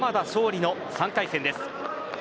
尚里の３回戦です。